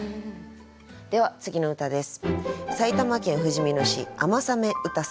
では次の歌です。